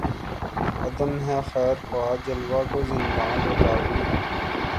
عدم ہے خیر خواہ جلوہ کو زندان بیتابی